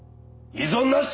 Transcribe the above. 異存なし！